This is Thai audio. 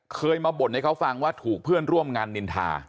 เคยมาบ่นให้เขาฟังว่าถูกเพื่อนร่วมงานนินทา